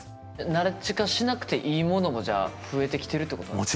ナレッジ化しなくていいものもじゃあ増えてきてるってことなんですか？